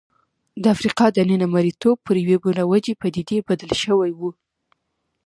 د افریقا دننه مریتوب پر یوې مروجې پدیدې بدل شوی و.